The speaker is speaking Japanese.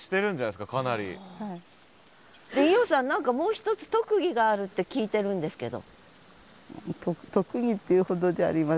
で伊豫さん何かもう一つ特技があるって聞いてるんですけど。